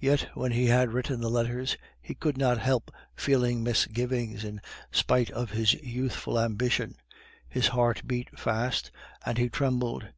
Yet when he had written the letters, he could not help feeling misgivings in spite of his youthful ambition; his heart beat fast, and he trembled.